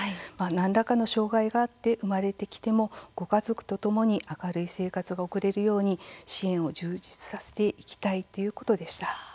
何らかの障害があって生まれてきてもご家族とともに明るい生活が送れるように支援を充実させていきたいということでした。